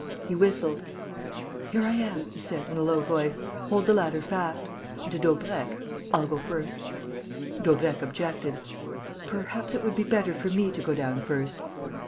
He whistled: "Here I am," he said, in a low voice. "Hold the ladder fast." And, to Daubrecq, "I'll go first." Daubrecq objected: "Perhaps it would be better for me to go down first."